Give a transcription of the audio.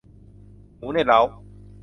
หมูในเล้า